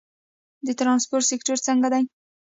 د ترانسپورت سکتور څنګه دی؟